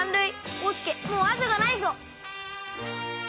おうすけもうあとがないぞ。